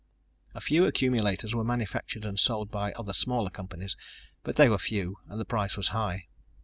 A few accumulators were manufactured and sold by other smaller companies, but they were few and the price was high.